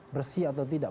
bersih atau tidak